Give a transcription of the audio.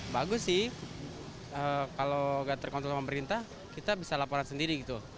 bagus sih kalau nggak terkontrol sama pemerintah kita bisa laporan sendiri gitu